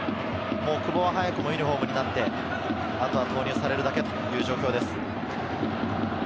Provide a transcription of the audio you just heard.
久保は早くもユニホームになってあとは投入されるだけという状況です。